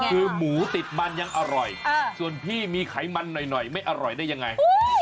คือหมูติดมันยังอร่อยส่วนพี่มีไขมันหน่อยไม่อร่อยได้ยังไง